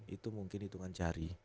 itu mungkin hitungan jari